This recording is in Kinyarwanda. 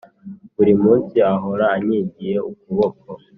buri munsi ahora ankingiye ukuboko